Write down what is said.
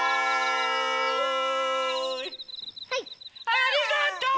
ありがとう！